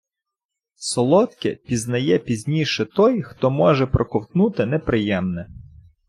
Солодке пізнає пізніше той, хто може проковтнути неприємне.